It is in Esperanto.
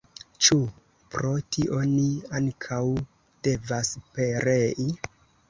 Ĉu pro tio ni ankaŭ devas perei?